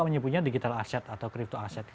menyebutnya digital asset atau crypto aset